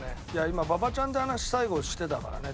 今馬場ちゃんと話を最後してたからね。